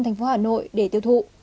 tp hà nội để tiêu thụ